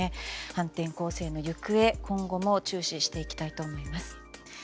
反転攻勢の行方、今後も注視していきたいと思います。